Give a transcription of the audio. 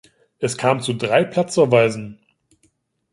Es kam zu drei Platzverweisen.